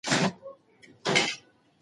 هغه وویل، وفادار اوسېدل خورا مهم دي.